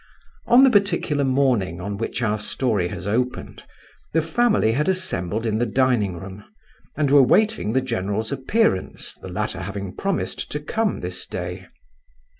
On the particular morning on which our story has opened, the family had assembled in the dining room, and were waiting the general's appearance, the latter having promised to come this day.